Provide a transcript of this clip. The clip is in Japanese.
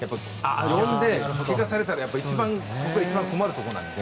呼んで、怪我されたら一番困るところなので。